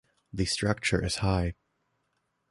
The structure is high.